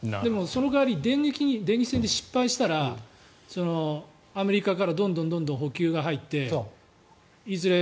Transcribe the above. その代わり電撃戦で失敗したらアメリカからどんどん補給が入っていずれ